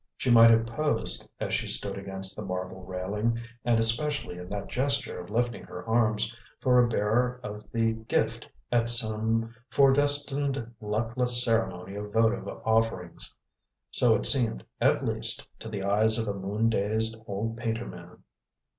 She might have posed as she stood against the marble railing and especially in that gesture of lifting her arms for a bearer of the gift at some foredestined luckless ceremony of votive offerings. So it seemed, at least, to the eyes of a moon dazed old painter man.